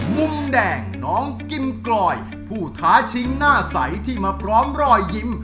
มุมแดงน้องกิมกลอยผู้ท้าชิงหน้าใสที่มาพร้อมรอยยิ้ม